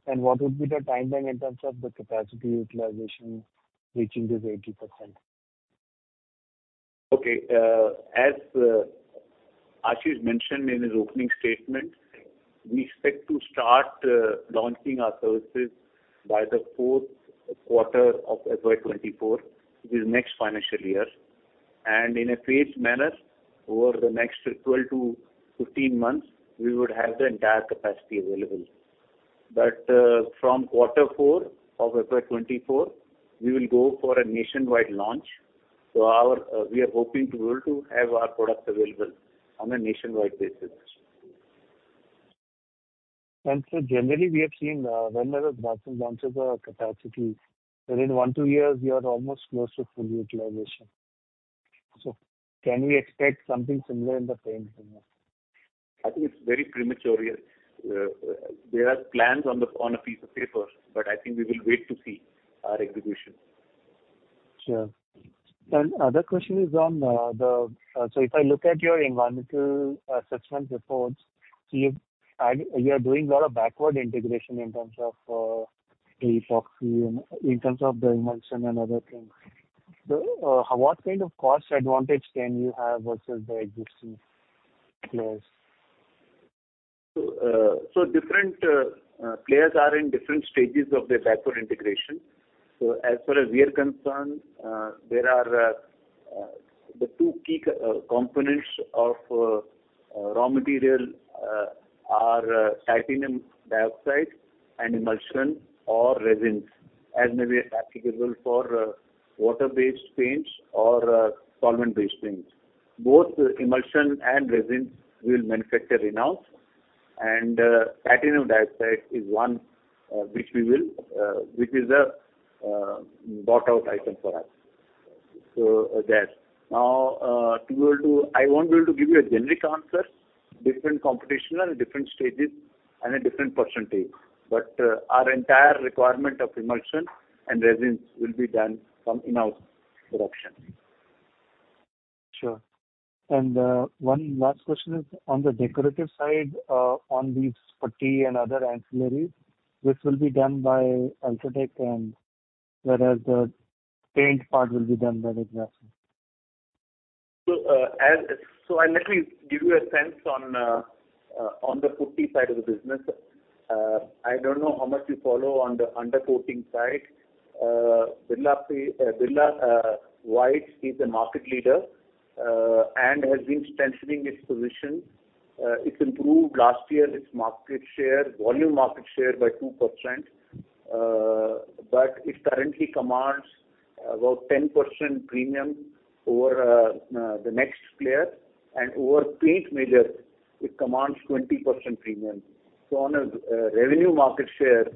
S12: And what would be the timeline in terms of the capacity utilization reaching this 80%?
S2: Okay. As Ashish mentioned in his opening statement, we expect to start launching our services by the fourth quarter of FY 2024, which is next financial year. In a phased manner over the next 12-15 months, we would have the entire capacity available. From quarter four of FY 2024, we will go for a nationwide launch. We are hoping to be able to have our product available on a nationwide basis.
S12: Generally we are seeing, whenever Birla launches a capacity, within one, two years you are almost close to full utilization. Can we expect something similar in the paint business?
S2: I think it's very premature yet. There are plans on a piece of paper, but I think we will wait to see our execution.
S12: Sure. Another question is on the environmental assessment reports. If I look at your environmental assessment reports, you are doing a lot of backward integration in terms of the epoxy and in terms of the emulsion and other things. What kind of cost advantage can you have versus the existing players?
S2: Different players are in different stages of their backward integration. As far as we are concerned, there are the two key components of raw material are titanium dioxide and emulsion or resins, as may be applicable for water-based paints or solvent-based paints. Both emulsion and resins we'll manufacture in-house and titanium dioxide is one which is a bought out item for us. I won't be able to give you a generic answer. Different competitors are at different stages and at different percentages. Our entire requirement of emulsion and resins will be done from in-house production.
S12: Sure. One last question is on the decorative side, on these putty and other ancillaries, this will be done by UltraTech and whereas the paint part will be done by Grasim.
S2: I'll actually give you a sense on the putty side of the business. I don't know how much you follow on the undercoating side. Birla White is a market leader and has been strengthening its position. It improved last year its market share, volume market share by 2%. But it currently commands about 10% premium over the next player, and over paint major it commands 20% premium. On a revenue market share,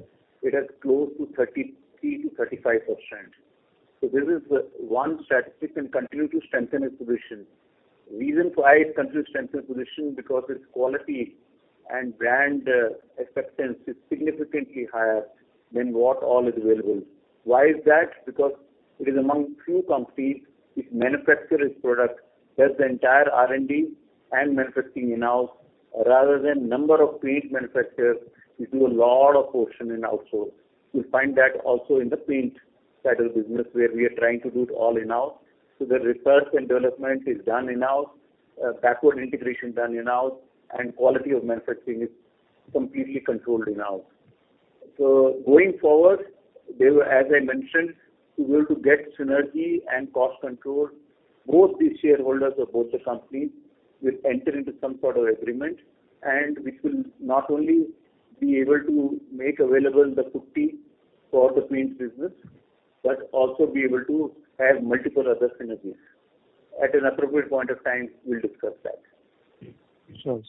S2: it has close to 33%-35%. This is one statistic and continue to strengthen its position. Reason why it continues to strengthen position because its quality and brand acceptance is significantly higher than what all is available. Why is that? Because it is among few companies which manufacture its product, does the entire R&D and manufacturing in-house rather than number of paint manufacturers who do a lot of portion in outsourcing. You'll find that also in the paint side of the business where we are trying to do it all in-house. The research and development is done in-house, backward integration done in-house, and quality of manufacturing is completely controlled in-house. Going forward, they will, as I mentioned, to be able to get synergy and cost control, both the shareholders of both the companies will enter into some sort of agreement and which will not only be able to make available the putty for the paints business, but also be able to have multiple other synergies. At an appropriate point of time, we'll discuss that.
S12: Sure.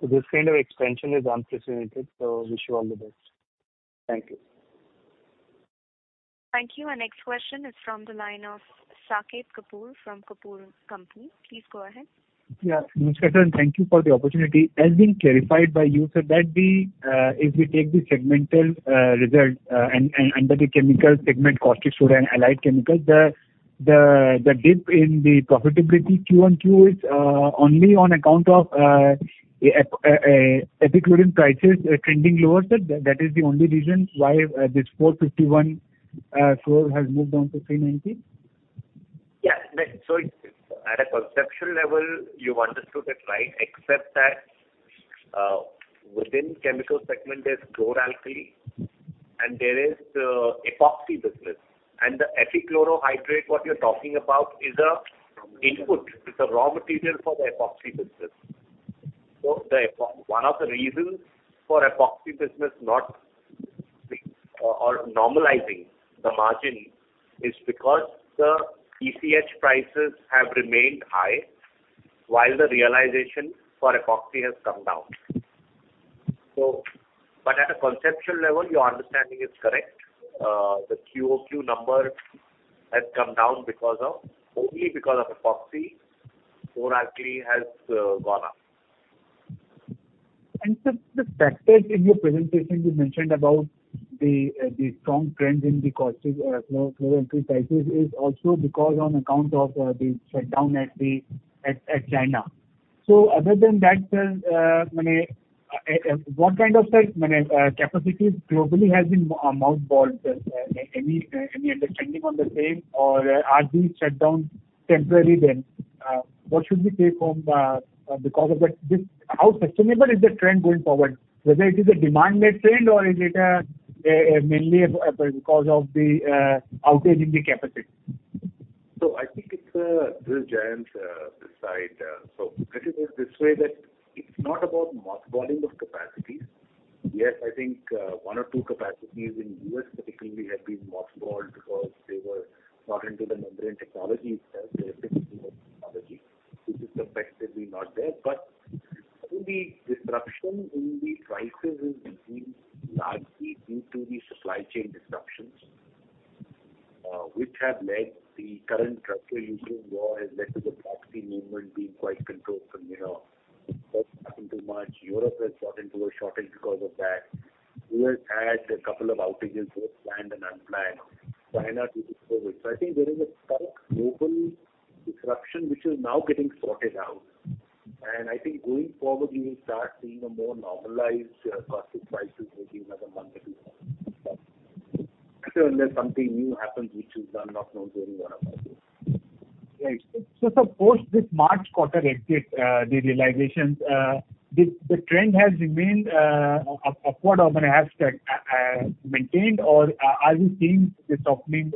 S12: This kind of expansion is unprecedented, so wish you all the best.
S2: Thank you.
S1: Thank you. Our next question is from the line of [Saket Kapoor from Kapoor & Company]. Please go ahead.
S13: Yeah. Mukesh sir, thank you for the opportunity. As being clarified by you, if we take the segmental result and under the chemical segment, caustic soda and allied chemicals, the dip in the profitability Q-o-Q is only on account of Epichlorohydrin prices trending lower, sir. That is the only reason why this 451 crore has moved down to 390?
S2: Yeah. At a conceptual level, you understood it right, except that, within chemical segment there's chlor-alkali and there is the epoxy business. The epichlorohydrin, what you're talking about, is a input. It's a raw material for the epoxy business. One of the reasons for epoxy business not or normalizing the margin is because the ECH prices have remained high while the realization for epoxy has come down. At a conceptual level, your understanding is correct. The QOQ number has come down because of, only because of epoxy. Chlor-alkali has gone up.
S13: Sir, the factors in your presentation you mentioned about the strong trend in the caustic chlor-alkali prices is also because on account of the shutdown at China. Other than that, sir, what kind of capacities globally has been mothballed? Any understanding on the same or are these shutdowns temporary then? What should we take home because of this? How sustainable is the trend going forward? Whether it is a demand-led trend or is it mainly because of the outage in the capacity?
S2: I think it's [Jayant Dua] side. Let me put it this way, that it's not about mothballing of capacities. Yes, I think one or two capacities in U.S. specifically have been mothballed because they were not into the membrane technology itself. They are fixed in their technology, which is effectively not there. But any disruption in the prices is being largely due to the supply chain disruptions, which the current Russia-Ukraine war has led to the product movement being quite controlled from Europe, not happening too much. Europe has got into a shortage because of that. We have had a couple of outages, both planned and unplanned. China due to COVID. I think there is a current global disruption which is now getting sorted out. I think going forward you will start seeing a more normalized caustic prices maybe in another month or two. Unless something new happens, which is, I'm not going to worry about that.
S13: Right. Post this March quarter exit, the realizations, the trend has remained upward or has maintained, or are you seeing the softening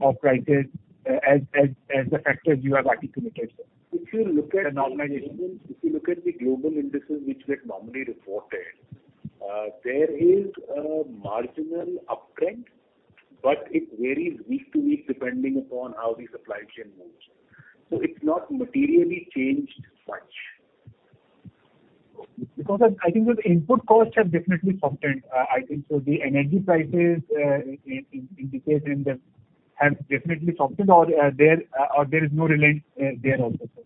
S13: of prices as the factors you have articulated, sir? The normalization.
S2: If you look at the global indices which get normally reported, there is a marginal uptrend, but it varies week to week depending upon how the supply chain moves. It's not materially changed much.
S13: Because I think the input costs have definitely softened. I think so the energy prices have definitely softened or there is no relief there also, sir?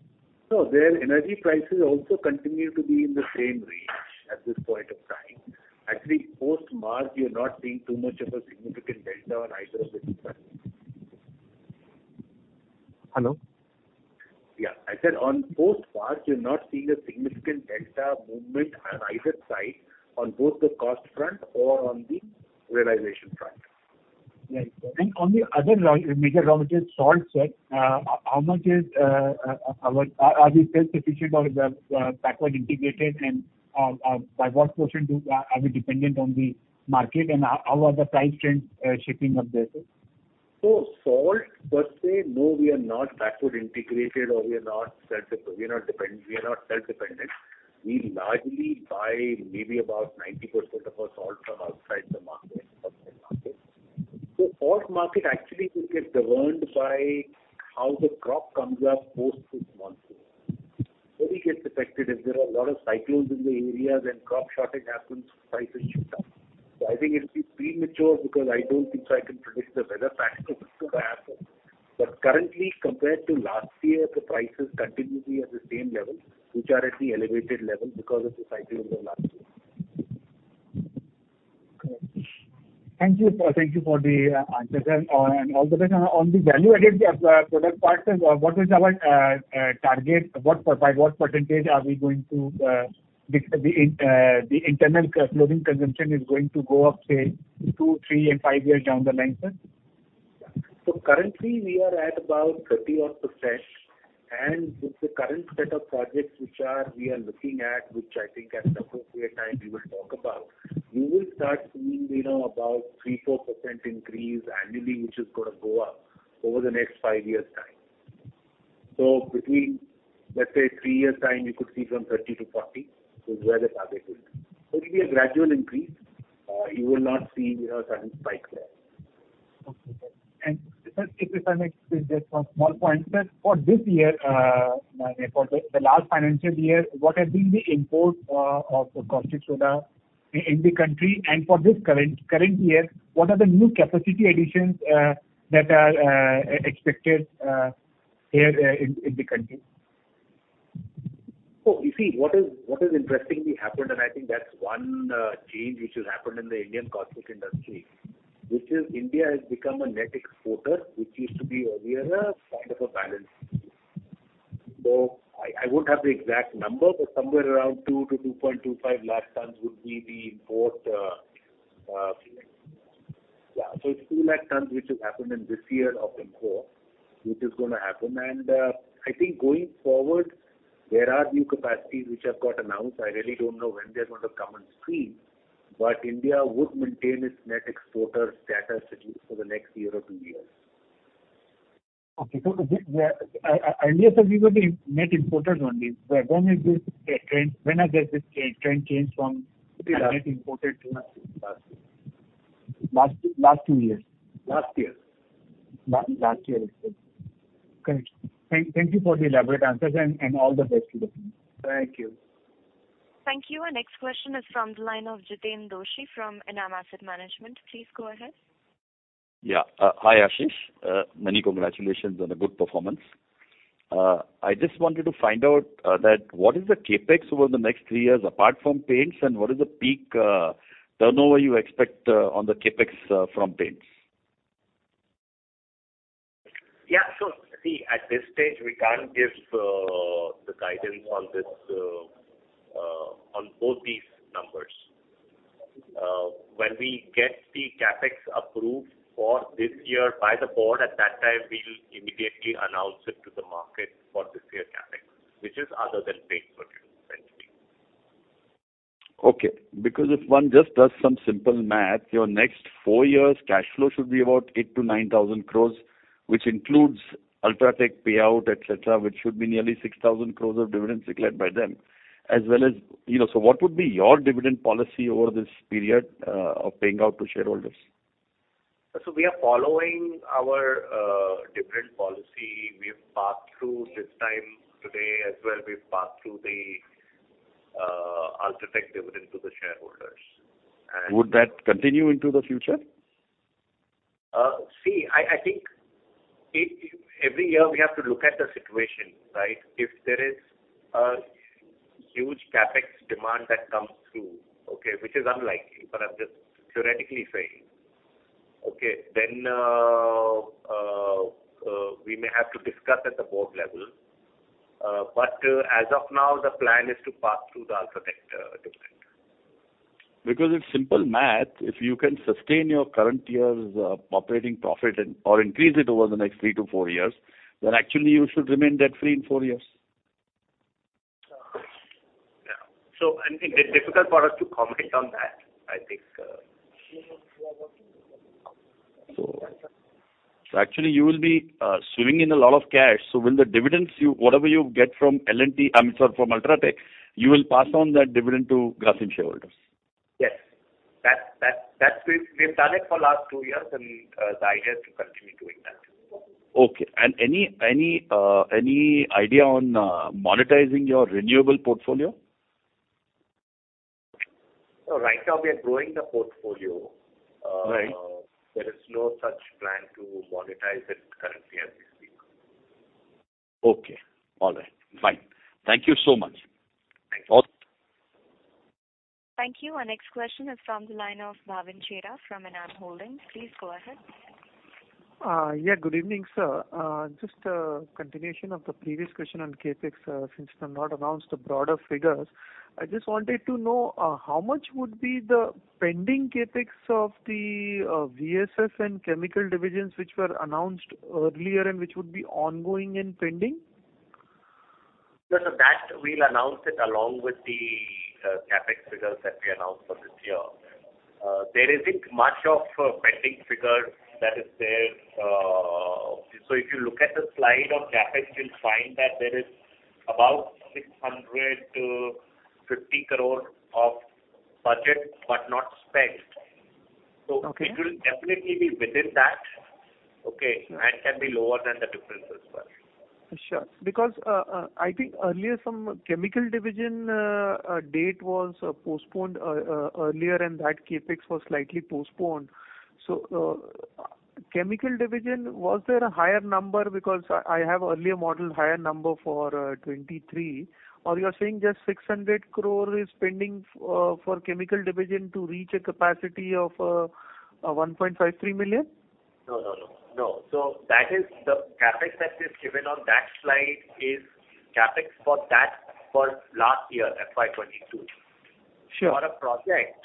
S2: No, their energy prices also continue to be in the same range at this point of time. Actually, post-March, you're not seeing too much of a significant delta on either of the two sides.
S13: Hello?
S2: Yeah. I said on post-March, you're not seeing a significant delta movement on either side, on both the cost front or on the realization front.
S13: Right. On the other major raw material, salt, sir, are we self-sufficient or backward integrated? By what portion are we dependent on the market and how are the price trends shaping up there, sir?
S2: Salt per se, no, we are not backward integrated or we are not self-dependent. We largely buy maybe about 90% of our salt from outside the market. Salt market actually will get governed by how the crop comes up post this monsoon. We get affected if there are a lot of cyclones in the area, then crop shortage happens, prices shoot up. I think it'll be premature because I don't think I can predict the weather patterns which could happen. But currently, compared to last year, the price is continuously at the same level, which are at the elevated level because of the cyclones of last year.
S13: Correct. Thank you. Thank you for the answer, sir. On the value-added product part, sir, what is our target? By what percentage are we going to the internal loading consumption is going to go up, say, two, three and five years down the line, sir?
S2: Currently we are at about 30%-odd. With the current set of projects which are we are looking at, which I think at an appropriate time we will talk about, you will start seeing, you know, about 3%, 4% increase annually, which is going to go up over the next five years' time. Between, let's say three years' time, you could see from 30% to 40%, is where the target will be. It'll be a gradual increase. You will not see, you know, sudden spike there.
S13: Okay. If I may squeeze just one small point. Sir, for this year, for the last financial year, what has been the import of the caustic soda in the country? For this current year, what are the new capacity additions that are expected here in the country?
S2: You see what has interestingly happened, and I think that's one change which has happened in the Indian caustic industry, which is India has become a net exporter, which used to be earlier kind of a balance. I won't have the exact number, but somewhere around 2-2.25 lakh tons would be the import. It's 2 lakh tons, which has happened in this year of import, which is going to happen. I think going forward, there are new capacities which have got announced. I really don't know when they're going to come on stream, but India would maintain its net exporter status at least for the next year or two years.
S13: Earlier, sir, we were the net importers only. When has this trend changed from net importer to last two years.
S2: Last year.
S13: Last year it changed. Correct. Thank you for the elaborate answers and all the best to the team.
S2: Thank you.
S1: Thank you. Our next question is from the line of Jiten Doshi from Enam Asset Management. Please go ahead.
S14: Hi, Ashish. Many congratulations on a good performance. I just wanted to find out that what is the CapEx over the next three years apart from paints, and what is the peak turnover you expect on the CapEx from paints?
S2: At this stage, we can't give the guidance on both these numbers. When we get the CapEx approved for this year by the board, at that time we'll immediately announce it to the market for this year CapEx, which is other than paint business essentially.
S14: Because if one just does some simple math, your next four years cash flow should be about 8,000 crores-9,000 crores, which includes UltraTech payout, etc., which should be nearly 6,000 crores of dividends declared by them, as well as, you know. What would be your dividend policy over this period of paying out to shareholders?
S2: We are following our dividend policy. We've passed through this time today as well. We've passed through the UltraTech dividend to the shareholders.
S14: Would that continue into the future?
S2: See, I think every year we have to look at the situation, right? If there is a huge CapEx demand that comes through, okay, which is unlikely, but I'm just theoretically saying, okay, then we may have to discuss at the board level. But as of now, the plan is to pass through the UltraTech dividend.
S14: Because it's simple math. If you can sustain your current year's operating profit and, or increase it over the next three to four years, then actually you should remain debt free in four years.
S2: I think it's difficult for us to comment on that, I think.
S14: Actually, you will be swimming in a lot of cash, so will the dividends you, whatever you get from L&T, I mean, sorry, from UltraTech, you will pass on that dividend to Grasim shareholders?
S2: Yes. That we've done it for last two years, and the idea is to continue doing that.
S14: Okay. Any idea on monetizing your renewable portfolio?
S2: No, right now we are growing the portfolio. There is no such plan to monetize it currently as we speak.
S14: Okay. All right, fine. Thank you so much.
S2: Thank you.
S1: Thank you. Our next question is from the line of Bhavin Chheda from Enam Holdings. Please go ahead.
S15: Yeah, good evening, sir. Just a continuation of the previous question on CapEx. Since you have not announced the broader figures, I just wanted to know how much would be the pending CapEx of the VSF and chemical divisions which were announced earlier and which would be ongoing and pending?
S2: That we'll announce it along with the CapEx figures that we announce for this year. There isn't much of a pending figure that is there. If you look at the slide of CapEx, you'll find that there is about 650 crore of budget, but not spent. It will definitely be within that. Can be lower than the difference as well.
S15: Sure. Because I think earlier some chemical division date was postponed earlier, and that CapEx was slightly postponed. Chemical division, was there a higher number because I have earlier modeled higher number for 2023 or you are saying just 600 crore is pending for chemical division to reach a capacity of 1.53 million?
S2: No. That is the CapEx that is given on that slide is CapEx for that last year, FY 2022. For a project,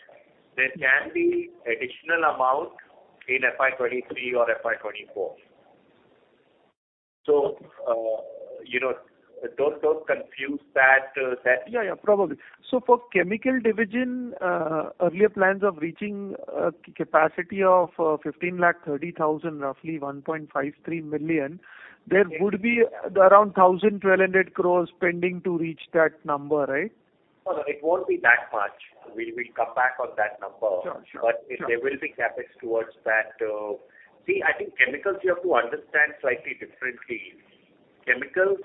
S2: there can be additional amount in FY 2023 or FY 2024. You know, don't confuse that.
S15: Yeah, yeah, probably. For chemical division, earlier plans of reaching capacity of 15.3 lakh, roughly 1.53 million. There would be around 1,000 crores-1,200 crores pending to reach that number, right?
S2: No, it won't be that much. We'll come back on that number. There will be CapEx towards that. See, I think chemicals you have to understand slightly differently. Chemicals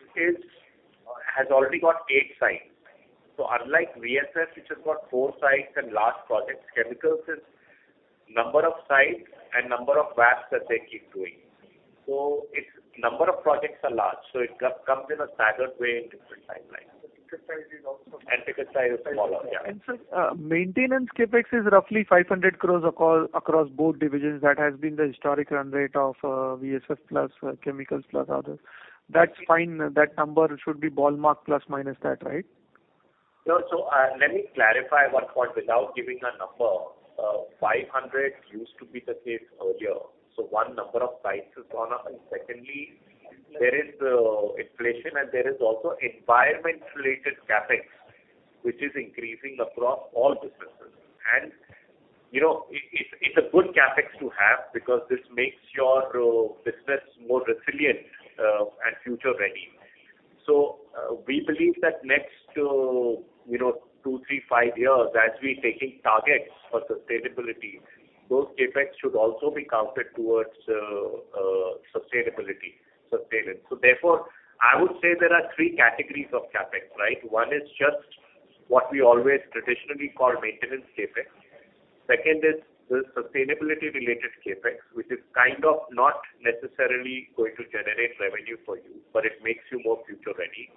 S2: has already got eight sites. Unlike VSF, which has got four sites and large projects, chemicals is number of sites and number of vats that they keep doing. Its number of projects are large, so it comes in a staggered way in different timelines. Ticket size is smaller, yeah.
S15: Sir, maintenance CapEx is roughly 500 crores across both divisions. That has been the historic run rate of VSF plus Chemicals plus others. That's fine. That number should be ballpark plus/minus that, right?
S2: No. Let me clarify one point without giving a number. 500 crores used to be the case earlier, so one, number of sites has gone up. Secondly, there is inflation and there is also environment related CapEx which is increasing across all businesses. You know, it's a good CapEx to have because this makes your business more resilient and future ready. We believe that next, you know, two, three, five years as we're taking targets for sustainability, those CapEx should also be counted towards sustainability, sustenance. I would say there are three categories of CapEx, right? One is just what we always traditionally call maintenance CapEx. Second is the sustainability related CapEx, which is kind of not necessarily going to generate revenue for you, but it makes you more future ready.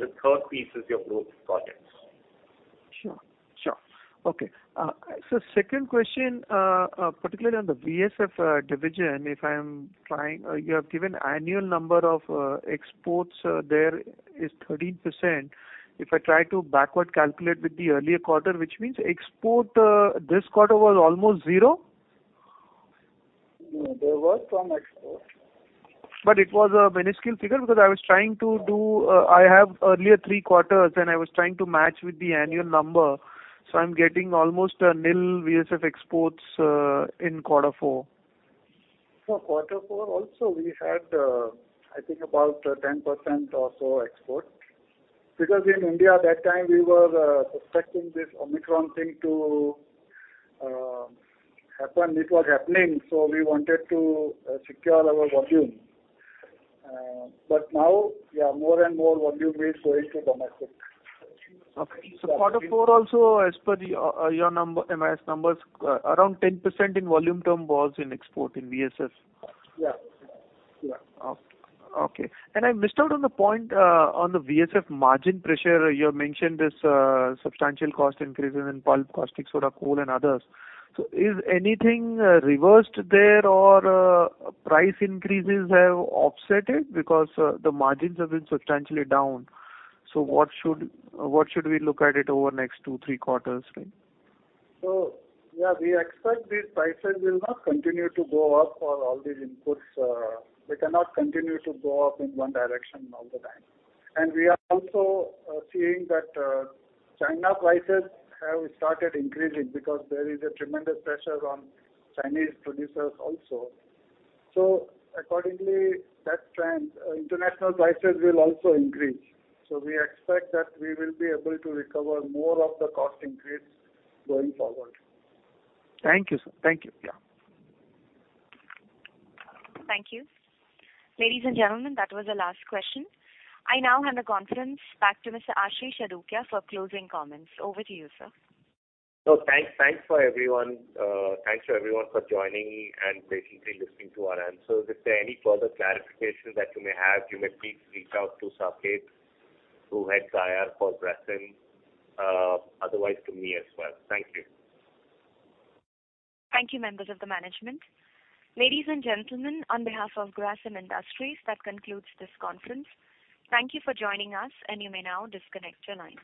S2: The third piece is your growth projects.
S15: Sure, sure. Okay. Sir, second question, particularly on the VSF division. You have given annual number of exports there is 13%. If I try to backward calculate with the earlier quarter, which means export this quarter was almost zero.
S2: No, there was some export.
S15: It was a minuscule figure because I have earlier three quarters, and I was trying to match with the annual number, so I'm getting almost a nil VSF exports in quarter four.
S2: For quarter four also we had, I think about, 10% or so export. Because in India that time we were expecting this Omicron thing to happen. It was happening, so we wanted to secure our volume. Now, yeah, more and more volume is going to domestic.
S15: Okay. Quarter four also, as per your number, MIS numbers, around 10% in volume term was in export in VSF.
S2: Yeah. Yeah.
S15: Okay. I missed out on the point on the VSF margin pressure. You have mentioned this substantial cost increases in pulp, caustic soda, coal and others. Is anything reversed there or price increases have offset it? Because the margins have been substantially down. What should we look at it over next two, three quarters then?
S2: Yeah, we expect these prices will not continue to go up for all these inputs, they cannot continue to go up in one direction all the time. We are also seeing that Chinese prices have started increasing because there is a tremendous pressure on Chinese producers also. Accordingly, that trend, international prices will also increase. We expect that we will be able to recover more of the cost increase going forward.
S15: Thank you, sir. Thank you. Yeah.
S1: Thank you. Ladies and gentlemen, that was the last question. I now hand the conference back to Mr. Ashish Adukia for closing comments. Over to you, sir.
S2: Thanks to everyone for joining and basically listening to our answers. If there are any further clarifications that you may have, you may please reach out to Saket, who heads IR for Grasim. Otherwise to me as well. Thank you.
S1: Thank you, members of the management. Ladies and gentlemen, on behalf of Grasim Industries, that concludes this conference. Thank you for joining us, and you may now disconnect your lines.